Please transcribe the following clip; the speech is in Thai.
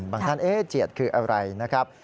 ท่านเจียดคืออะไรนะครับ